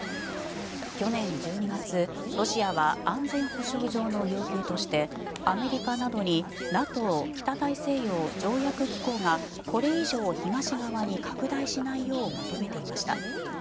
去年１２月、ロシアは安全保障上の要求としてアメリカなどにＮＡＴＯ・北大西洋条約機構がこれ以上、東側に拡大しないよう求めていました。